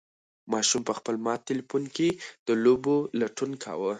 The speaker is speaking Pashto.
ماشوم په خپل مات تلیفون کې د لوبو لټون کاوه.